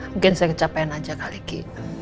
mungkin saya kecapean aja kali kiki